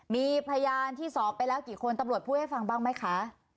มีพยานที่สอบไปแล้วกี่คนตำรวจพูดให้ฟังบ้างไหมคะ